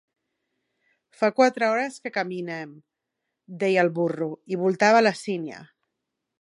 Fa quatre hores que caminem —deia el burro. I voltava la sínia.